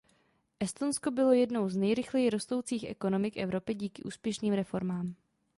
Estonsko bylo jednou z nejrychleji rostoucí ekonomik Evropy díky úspěšným reformám.